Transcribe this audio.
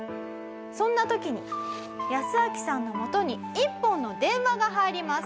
そんな時にヤスアキさんのもとに一本の電話が入ります。